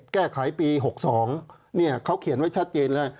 แก้ไขปี๖๒เขาเขียนไว้ชัดเจนเลย